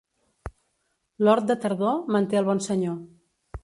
L'hort de tardor manté el bon senyor.